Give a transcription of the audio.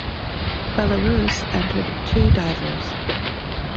Belarus entered two divers.